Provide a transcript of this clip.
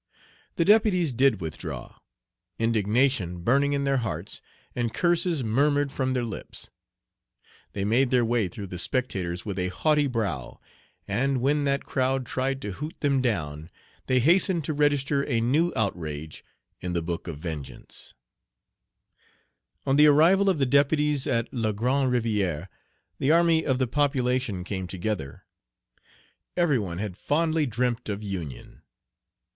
The deputies did withdraw, indignation burning in their hearts, and curses murmured from their lips. They made their way through the spectators with a haughty brow, and when that crowd tried to hoot them down, they hastened to register a new outrage in the book of vengeance. Page 58 On the arrival of the deputies at La Grand Rivière, the army of the population came together. Every one had fondly dreamt of union.